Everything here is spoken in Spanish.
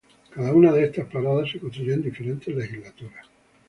Cada una de estas paradas se construyó en diferentes legislaturas.